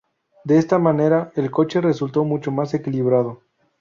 De esta manera el coche resultó mucho más equilibrado.